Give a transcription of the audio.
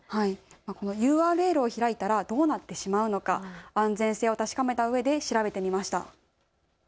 ＵＲＬを開いたらどうなってしまうのか、安全性を確かめたうえで調べてみました。